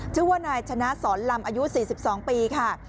ชื่อว่านายชนะสอนลำอายุ๔๒ปีค่ะ